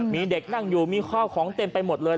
มีเด็กนั่งอยู่มีข้าวของเต็มไปหมดเลย